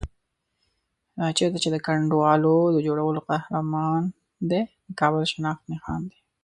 چېرته چې د کنډوالو د جوړولو قهرمان دی، د کابل شناخت نښان دی.